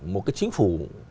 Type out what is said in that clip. một cái chính phủ